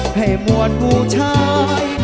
ให้มวดผู้ชาย